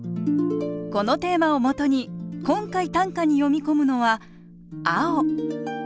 このテーマをもとに今回短歌に詠み込むのは「青」。